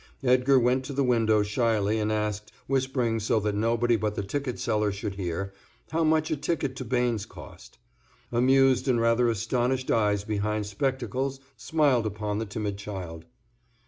Edgar went to the window shyly and asked, whispering so that nobody but the ticket seller should hear, how much a ticket to Bains cost. Amused and rather astonished eyes behind spectacles smiled upon the timid child.